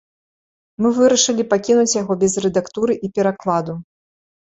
Мы вырашылі пакінуць яго без рэдактуры і перакладу.